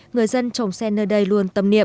người dân trồng sen nơi đây luôn tâm niệm